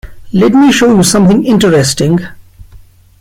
Let me show you something interesting.